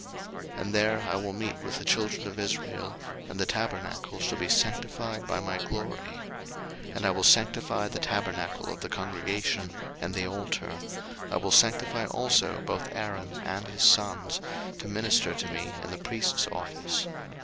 02:029:043 And there I will meet with the children of Israel, and the tabernacle shall be sanctified by my glory. 02:029:044 And I will sanctify the tabernacle of the congregation, and the altar: I will sanctify also both Aaron and his sons, to minister to me in the priest's office.